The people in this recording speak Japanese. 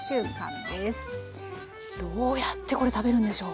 どうやってこれ食べるんでしょう？